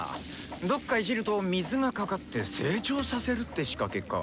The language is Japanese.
どっかいじると水がかかって成長させるって仕掛けか。